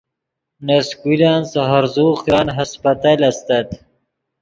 نے سکولن سے ہرزوغ کرن ہسپتل استت